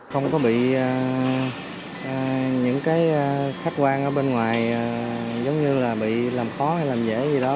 không có bị những cái khách quan ở bên ngoài giống như là bị làm khó hay làm dễ gì đó